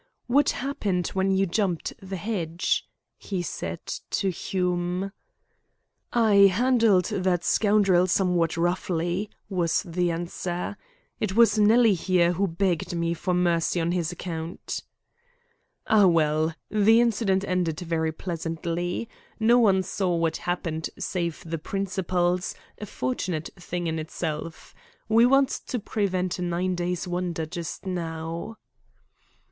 "What happened when you jumped the hedge?" he said to Hume. "I handled that scoundrel somewhat roughly," was the answer. "It was Nellie here who begged for mercy on his account." "Ah, well, the incident ended very pleasantly. No one saw what happened save the principals, a fortunate thing in itself. We want to prevent a nine days' wonder just now."